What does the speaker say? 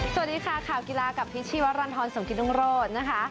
สวัสดีค่ะข่าวกีฬากับพิษชีวรรณฑรสมกิตรุงโรธนะคะ